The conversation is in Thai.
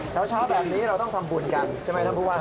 เช้าแบบนี้เราต้องทำบุญกันใช่ไหมท่านผู้ว่า